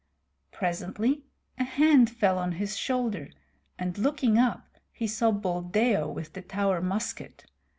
Presently a hand fell on his shoulder, and looking up he saw Buldeo with the Tower musket.